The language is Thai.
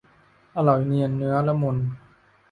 อร่อยเนียนเนื้อละมุน